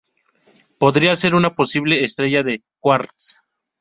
Podría ser una posible Estrella de quarks.